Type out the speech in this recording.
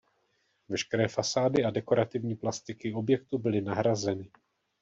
Veškeré fasády a dekorativní plastiky objektu byly nahrazeny.